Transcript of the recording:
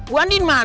gua andi mana